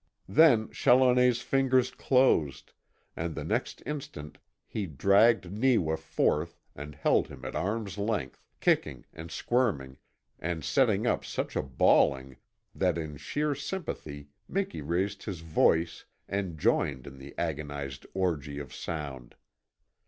Then Challoner's fingers closed and the next instant he dragged Neewa forth and held him at arm's length, kicking and squirming, and setting up such a bawling that in sheer sympathy Miki raised his voice and joined in the agonized orgy of sound.